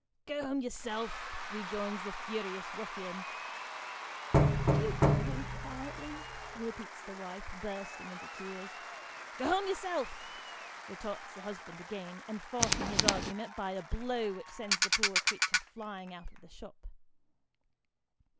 " Go home yourself," rejoins the furious ruffian. " Do come home quietly," repeats the wife, bursting into tears. " Go home yourself," retorts the husband again, enforcing his argument by a blow which sends the poor creature flying out of the shop.